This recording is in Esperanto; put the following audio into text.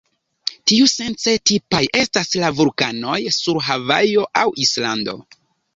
Tiusence tipaj estas la vulkanoj sur Havajo aŭ Islando.